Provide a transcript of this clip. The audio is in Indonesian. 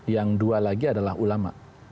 yang dua lagi adalah ulama